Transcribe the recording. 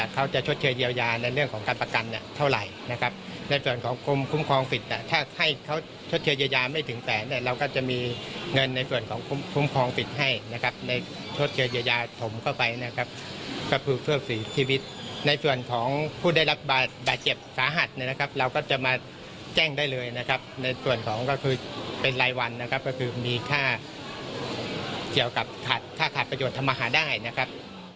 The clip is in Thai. ก็จะให้ชดเชิญยาสมเข้าไปนะครับก็คือเพิ่มสีชีวิตในส่วนของผู้ได้รับบาดเจ็บสาหัสนะครับเราก็จะมาแจ้งได้เลยนะครับในส่วนของก็คือเป็นรายวันนะครับก็คือมีค่าเกี่ยวกับขาดขาดขาดประโยชน์ธรรมหาได้นะครับ